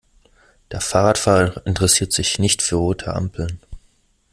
Der Fahrradfahrer interessiert sich nicht für rote Ampeln.